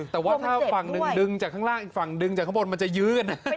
แต่ว่าถ้าฝั่งหนึ่งดึงจากข้างล่างอีกฝั่งดึงจากข้างบนมันจะยืน